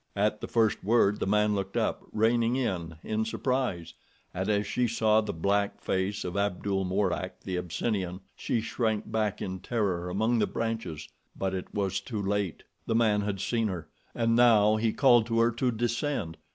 At the first word the man looked up, reining in in surprise, and as she saw the black face of Abdul Mourak, the Abyssinian, she shrank back in terror among the branches; but it was too late. The man had seen her, and now he called to her to descend.